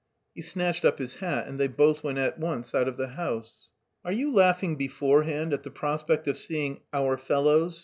He snatched up his hat and they both went at once out of the house. "Are you laughing beforehand at the prospect of seeing 'our fellows'?"